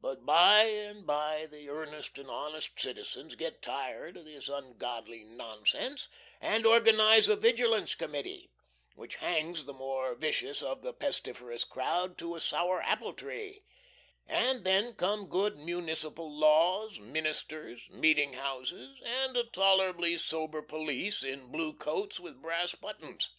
But by and by the earnest and honest citizens get tired of this ungodly nonsense and organize a Vigilance Committee, which hangs the more vicious of the pestiferous crowd to a sour apple tree; and then come good municipal laws, ministers, meeting houses, and a tolerably sober police in blue coats with brass buttons.